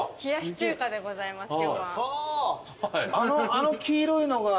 あの黄色いのが。